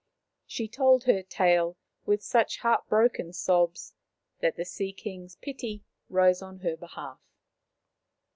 She told her tale with such heartbroken sobs that the Sea king's pity rose on her behalf.